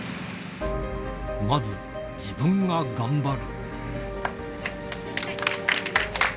まず自分が頑張る。